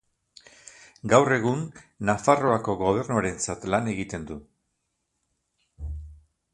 Gaur egun, Nafarroako gobernuarentzat lan egiten du.